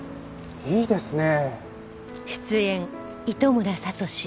いいですね！